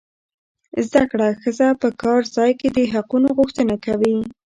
زده کړه ښځه په کار ځای کې د حقوقو غوښتنه کوي.